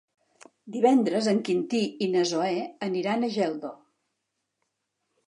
Divendres en Quintí i na Zoè aniran a Geldo.